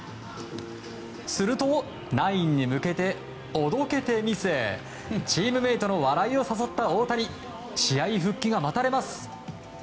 すると、ナインに向けておどけて見せチームメートの笑いを誘った大谷。試合復帰が待たれます。